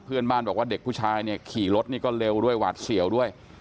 เพื่อนบ้านบอกว่าเด็กผู้ชายเนี่ยขี่รถนี่ก็เร็วด้วยหวาดเสียวด้วย